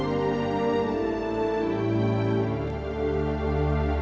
jadi orang zona seperti kita kolon